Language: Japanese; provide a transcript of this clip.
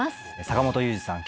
坂元裕二さん